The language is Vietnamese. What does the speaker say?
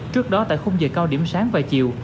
trước đó tại khung giờ cao điểm sáng và chiều